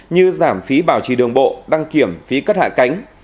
như giảm phí bảo trì đường bộ đăng kiểm phí cất hạ cánh